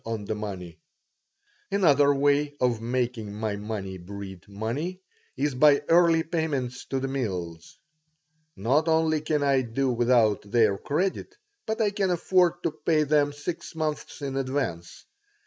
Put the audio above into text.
on the money Another way of making my money breed money is by early payments to the mills. Not only can I do without their credit, but I can afford to pay them six months in advance.